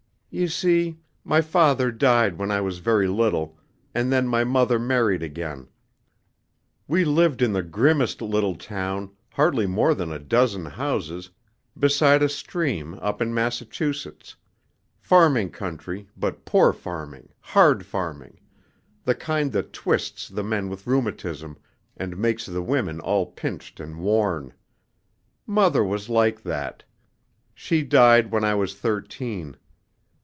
"You see, my father died when I was very little, and then my mother married again. We lived in the grimmest little town, hardly more than a dozen houses, beside a stream, up in Massachusetts farming country, but poor farming, hard farming, the kind that twists the men with rheumatism, and makes the women all pinched and worn. Mother was like that. She died when I was thirteen.